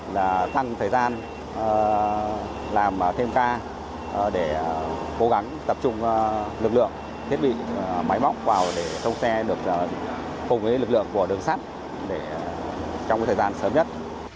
là tăng thời gian làm thêm ca để cố gắng tập trung lực lượng thiết bị máy móc vào để thông xe được cùng với lực lượng của đường sắt để trong thời gian sớm nhất